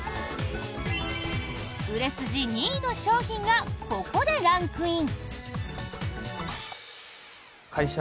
売れ筋２位の商品がここでランクイン。